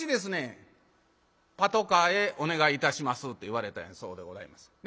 「パトカーへお願いいたします」って言われたんやそうでございます。